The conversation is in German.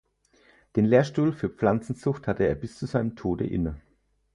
Den Lehrstuhl für Pflanzenzucht hatte er bis zu seinem Tode inne.